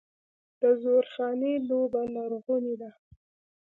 د زورخانې لوبه لرغونې ده.